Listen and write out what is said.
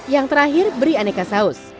yang terakhir beri aneka saus